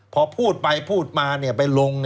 พอพูดไปพูดมาไปลง